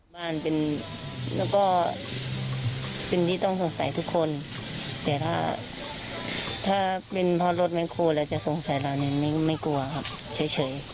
บ้านเป็นแล้วก็เป็นที่ต้องสงสัยทุกคนแต่ถ้าถ้าเป็นเพราะรถแคลแล้วจะสงสัยเราเนี่ยไม่กลัวครับเฉย